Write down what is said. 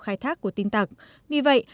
khai thác của tin tặc vì vậy